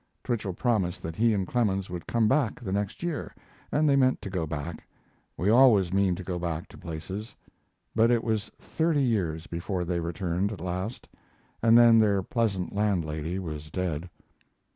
Twichell promised that he and Clemens would come back the next year; and they meant to go back we always mean to go back to places but it was thirty years before they returned at last, and then their pleasant landlady was dead.